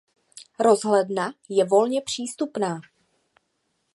Rozhledna je volně přístupná.